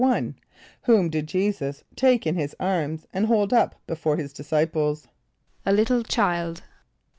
=1.= Whom did J[=e]´[s+]us take in his arms and hold up before his disciples? =A little child.